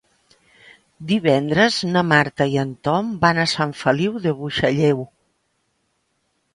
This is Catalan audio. Divendres na Marta i en Tom van a Sant Feliu de Buixalleu.